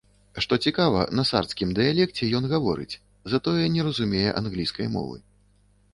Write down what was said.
Што цікава, на сардскім дыялекце ён гаворыць, затое не разумее англійскай мовы.